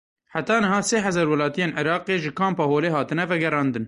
Heta niha sê hezar welatiyên Iraqê ji Kampa Holê hatine vegerandin.